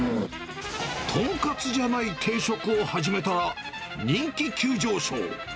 豚カツじゃない定食を始めたら、人気急上昇。